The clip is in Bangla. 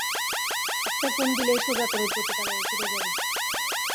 একটা ফোন দিলেই, সোজা তোর ওই পতিতালয়ে ফিরে যাবি।